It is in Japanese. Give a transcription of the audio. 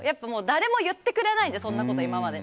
誰も言ってくれないんでそんなこと、今まで。